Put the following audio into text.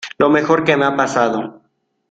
lo mejor que me ha pasado.